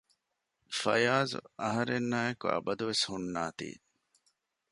ފަޔާޒު އަހަރެންނާއި އެކު އަބަދުވެސް ހުންނާތީ